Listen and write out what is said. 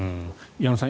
矢野さん